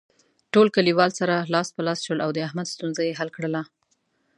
ټول کلیوال سره لاس په لاس شول او د احمد ستونزه یې حل کړله.